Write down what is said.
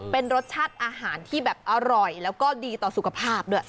เป็นรสชาติอาหารที่แบบอร่อยแล้วก็ดีต่อสุขภาพด้วย